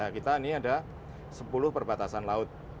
kita ini ada sepuluh perbatasan laut